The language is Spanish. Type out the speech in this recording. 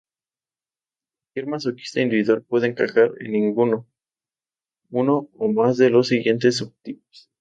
Cualquier masoquista individual puede encajar en ninguno, uno o más de los siguientes subtipos.